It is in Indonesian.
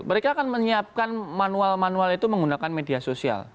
mereka akan menyiapkan manual manual itu menggunakan media sosial